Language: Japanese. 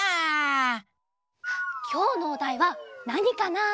きょうのおだいはなにかな？